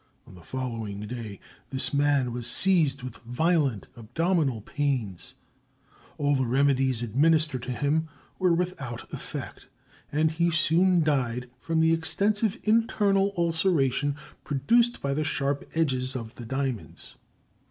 On the following day this man was seized with violent abdominal pains, all the remedies administered to him were without effect, and he soon died from the extensive internal ulceration produced by the sharp edges of the diamonds.